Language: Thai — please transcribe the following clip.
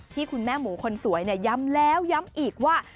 ที่คุณแม่หมูคนสวยย้ำแล้วย้ำอีกว่า